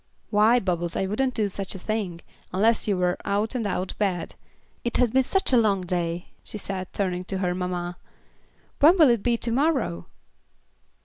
"Why, Bubbles, I wouldn't do such a thing, unless you were out and out bad. It has been such a long day," she said, turning to her mamma. "When will it be to morrow?"